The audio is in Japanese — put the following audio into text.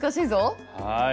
はい。